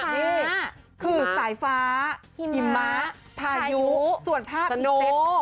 นี่คือสายฟ้าหิมะพายุส่วนภาพเซ็ต